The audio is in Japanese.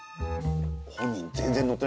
本人全然ノ